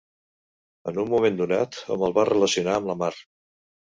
En un moment donat hom el va relacionar amb la mar.